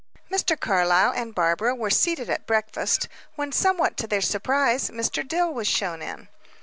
Mr. Carlyle and Barbara were seated at breakfast, when, somewhat to their surprise, Mr. Dill was shown in.